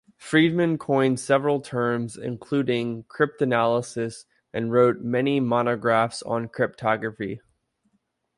Friedman coined several terms, including "cryptanalysis", and wrote many monographs on cryptography.